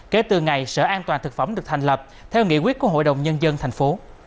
kể từ ngày sở an toàn thực phẩm được thành lập theo nghị quyết của hội đồng nhân dân thành phố